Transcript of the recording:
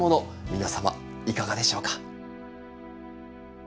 皆様いかがでしょうか。